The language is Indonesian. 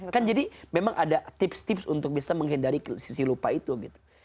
kan jadi memang ada tips tips untuk bisa menghindari sisi lupa itu gitu